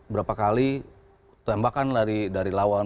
berapa kali tembakan dari lawan